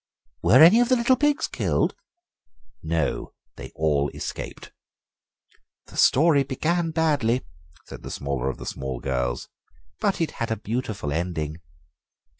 "Were any of the little pigs killed?" "No, they all escaped." "The story began badly," said the smaller of the small girls, "but it had a beautiful ending."